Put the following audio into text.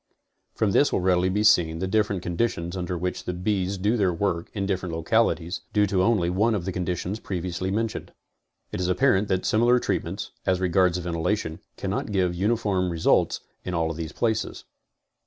From this will readily be seen the different conditions under which the bees do their work in different localities, due to only one of the conditions previously mentioned. It is apparent that similar treatments, as regards ventilation, cannot give uniform results in all these places.